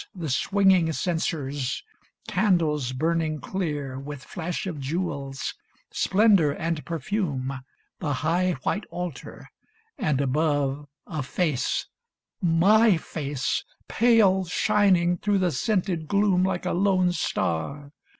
The swinging censers, candles burning clear, A MATER DOLOROSA 467 With flash of jewels, splendor and perfume, The high white altar, and above a face, My face, pale shining through the scented gloom Like a lone star